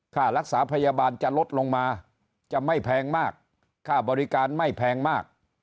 ค่ารักษาพยาบาลจะลดลงมาจะไม่แพงมากค่าบริการไม่แพงมาก